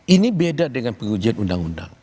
ini beda dengan pengujian undang undang